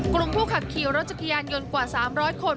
กรุงผู้ขับคิวรถจักรยานหย่นกว่า๓๐๐คน